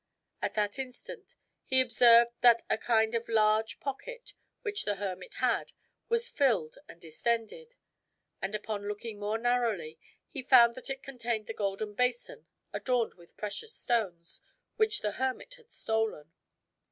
At that instant he observed that a kind of large pocket, which the hermit had, was filled and distended; and upon looking more narrowly he found that it contained the golden basin adorned with precious stones, which the hermit had stolen.